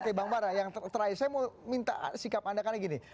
oke bang mara yang terakhir saya mau minta sikap anda karena gini